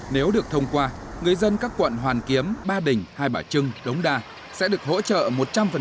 nếu được thông qua người dân các quận hoàn kiếm ba đình hai bả trưng đống đa sẽ được hỗ trợ một trăm linh triệu đồng